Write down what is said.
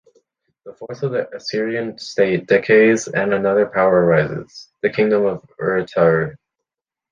Then the force of the Assyrian state decays and another power arises: the kingdom of Urartu.